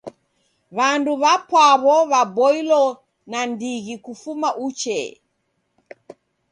W'andu w'apwaw'o w'aboilo nandighi kufuma uchee.